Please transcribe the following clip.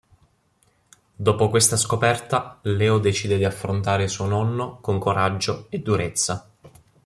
Dopo questa scoperta, Leo decide di affrontare suo nonno con coraggio e durezza.